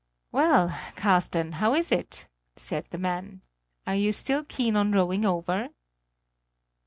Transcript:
"Well, Carsten, how is it?" said the man. "Are you still keen on rowing over?"